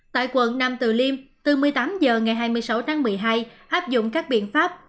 tại quận nam từ liêm từ một mươi tám h ngày hai mươi sáu tháng một mươi hai áp dụng các biện pháp